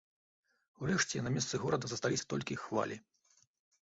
Урэшце на месцы горада засталіся толькі хвалі.